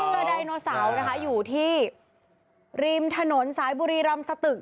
เตี๋ยวเรือไดโนเสานะคะอยู่ที่ริมถนนสายบุรีรำสตึก